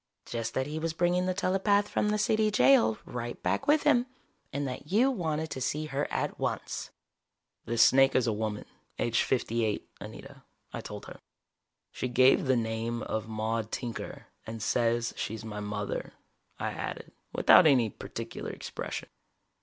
"Just that he was bringing the telepath from the City Jail right back with him, and that you wanted to see her at once." "This snake is a woman, aged fifty eight, Anita," I told her. "She gave the name of Maude Tinker and says she's my mother," I added, without any particular expression.